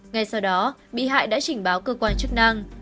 ngay sau đó bị hại đã trình báo cơ quan chức năng